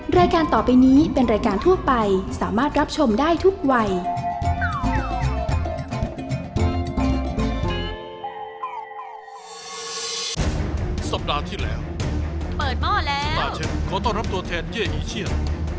รายการต่อไปนี้เป็นรายการทั่วไปสามารถรับชมได้ทุกวัย